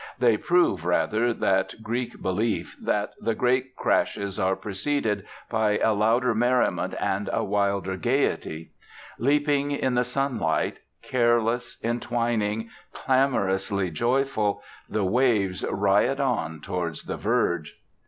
They prove, rather, that Greek belief that the great crashes are preceded by a louder merriment and a wilder gaiety. Leaping in the sunlight, careless, entwining, clamorously joyful, the waves riot on towards the verge.